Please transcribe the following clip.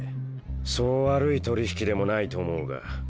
そう悪い取引でもないと思うが。